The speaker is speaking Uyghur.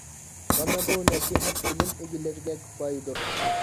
مانا بۇ نەسىھەت بىلىم ئىگىلىرىگە كۇپايىدۇر.